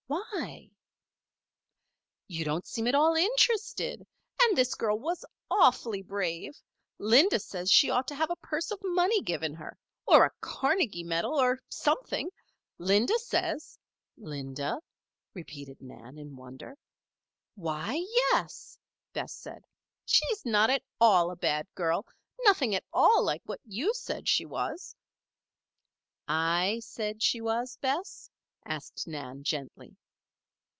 "Why?" "You don't seem at all interested. And this girl was awfully brave. Linda says she ought to have a purse of money given her or a Carnegie medal or something. Linda says " "Linda?" repeated Nan, in wonder. "Why, yes," Bess said. "She's not at all a bad girl nothing at all like what you said she was." "I said she was, Bess?" asked Nan, gently.